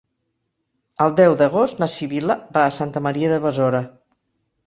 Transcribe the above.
El deu d'agost na Sibil·la va a Santa Maria de Besora.